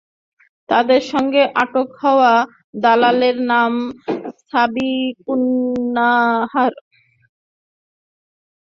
তাঁদের সঙ্গে আটক হওয়া দালালের নাম সাবিকুন্নাহার।